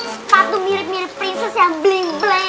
sepatu mirip mirip prinses yang bling bling